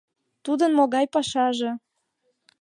Тудын могай пашаже?